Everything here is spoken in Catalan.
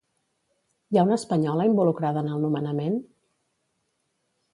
Hi ha una espanyola involucrada en el nomenament?